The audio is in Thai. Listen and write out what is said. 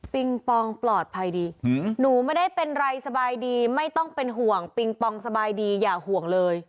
ปองปลอดภัยดีหนูไม่ได้เป็นไรสบายดีไม่ต้องเป็นห่วงปิงปองสบายดีอย่าห่วงเลย